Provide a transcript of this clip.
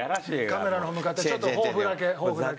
カメラの方向かってちょっと抱負だけ抱負だけ。